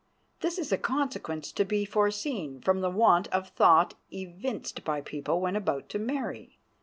This is a consequence to be foreseen from the want of thought evinced by people when about to marry.